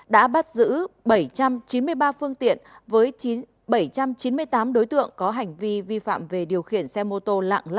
đã bắt giữ bảy trăm chín mươi ba phương tiện với bảy trăm chín mươi tám đối tượng có hành vi vi phạm về điều khiển xe mô tô